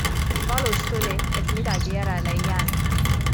Valus tuli, et midagi järele ei jää.